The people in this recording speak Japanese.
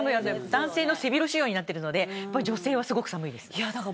男性の背広仕様になっているので女性は、すごく寒いです。